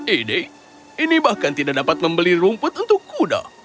ini bahkan tidak dapat membeli rumput untuk kuda